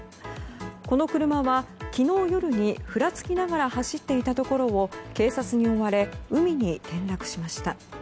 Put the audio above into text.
この車は昨日夜にふらつきながら走っていたところを警察に追われ海に転落しました。